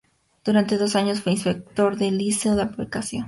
Durante dos años fue inspector del Liceo de Aplicación.